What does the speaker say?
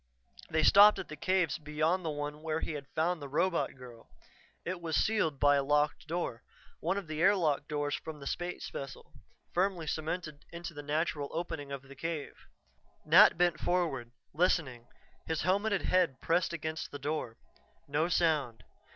They stopped at the cave beyond the one where he had found the robot girl. It was sealed by a locked door, one of the airlock doors from that space vessel, firmly cemented into the natural opening of the cave. Nat bent forward, listening, his helmeted head pressed against the door. No sound.